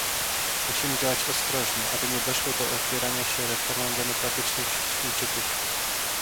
Musimy działać ostrożnie, aby nie doszło do opierania się reformom demokratycznym wśród Chińczyków